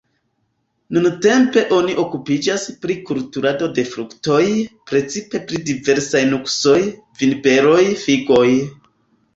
Nuntempe oni okupiĝas pri kulturado de fruktoj, precipe pri diversaj nuksoj, vinberoj, figoj.